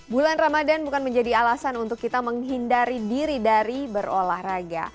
bulan ramadan bukan menjadi alasan untuk kita menghindari diri dari berolahraga